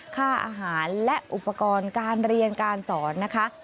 ค่าอาหารและอุปกรณ์การเรียนการสอนนะคะ